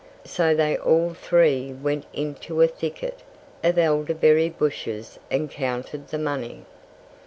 So they all three went into a thicket of elderberry bushes and counted the money.